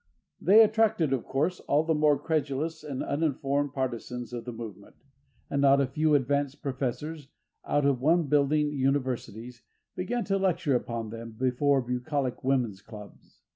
They attracted, of course, all the more credulous and uninformed partisans of the movement, and not a few advanced professors out of one building universities began to lecture upon them before bucolic women's clubs.